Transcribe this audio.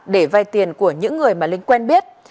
để vay tiền của những người mà linh quen biết